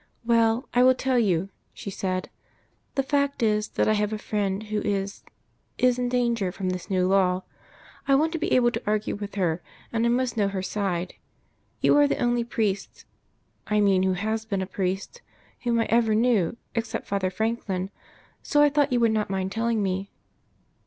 "Well, I will tell you," she said. "The fact is, that I have a friend who is is in danger from this new law. I want to be able to argue with her; and I must know her side. You are the only priest I mean who has been a priest whom I ever knew, except Father Franklin. So I thought you would not mind telling me."